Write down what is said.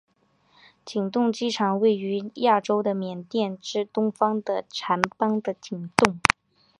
景栋机场位于亚洲的缅甸之东方的掸邦的景栋。